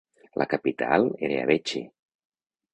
La capital era Abéché.